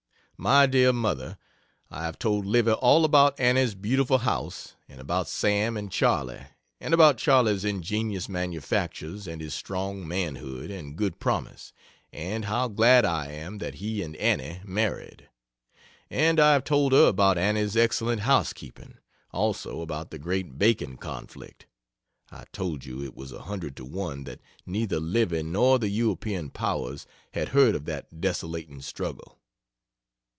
MY DEAR MOTHER, I have told Livy all about Annie's beautiful house, and about Sam and Charley, and about Charley's ingenious manufactures and his strong manhood and good promise, and how glad I am that he and Annie married. And I have told her about Annie's excellent house keeping, also about the great Bacon conflict; (I told you it was a hundred to one that neither Livy nor the European powers had heard of that desolating struggle.)